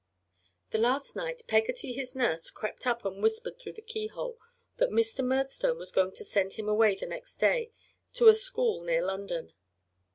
The last night Peggotty, his nurse, crept up and whispered through the keyhole that Mr. Murdstone was going to send him away the next day to a school near London.